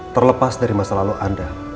terlepas dari masa lalu anda